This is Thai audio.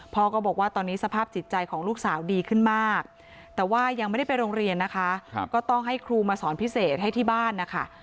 พ่อก็บอกว่าตอนนี้สภาพจิตใจของลูกสาวดีขึ้นมากแต่ว่ายังไม่ได้ไปโรงเรียนนะคะก็ต้องให้ครูมาสอนพิเศษให้ที่บ้านนะคะ